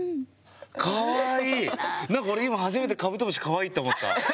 何か俺今初めてカブトムシかわいいと思った。